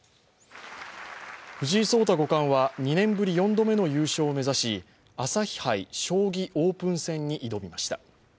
藤井聡太五冠は２年ぶり４度目の優勝を目指し、朝日杯将棋オープン戦に挑みました。